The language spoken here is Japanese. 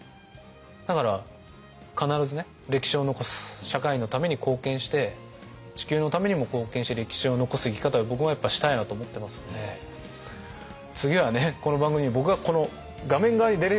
だから必ずね歴史を残す社会のために貢献して地球のためにも貢献して歴史を残す生き方を僕もやっぱしたいなと思ってますので次はねこの番組に僕がこの画面側に出れるように。